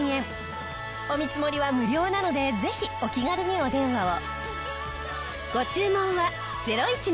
お見積もりは無料なのでぜひお気軽にお電話を。